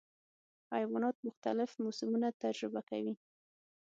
حیوانات مختلف موسمونه تجربه کوي.